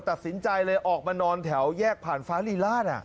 ตัดสินใจเลยออกมานอนแถวแยกผ่านฟ้ารีราช